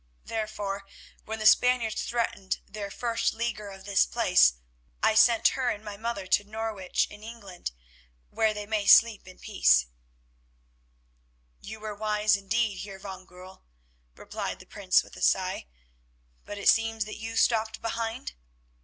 Therefore, when the Spaniards threatened their first leaguer of this place, I sent her and my mother to Norwich in England, where they may sleep in peace." "You were wise indeed, Heer van Goorl," replied the Prince with a sigh, "but it seems that you stopped behind?"